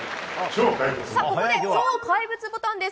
ここで超怪物ボタンです。